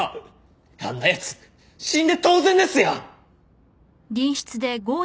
あんな奴死んで当然ですよ！